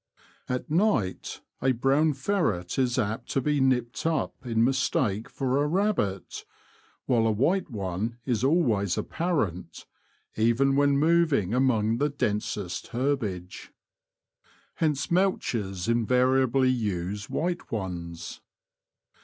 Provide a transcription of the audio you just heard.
At night a brown ferret is apt to be nipped up in mistake for a rabbit ; while a white one is always apparent, even when moving among the densest herbage. Hence mouchers invariably use white ones.